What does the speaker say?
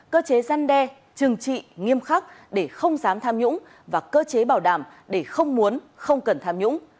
cơ chế gian đe trừng trị nghiêm khắc để không dám tham nhũng và cơ chế bảo đảm để không muốn không cần tham nhũng